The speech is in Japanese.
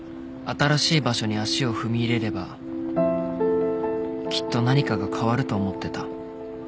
［新しい場所に足を踏み入れればきっと何かが変わると思ってた］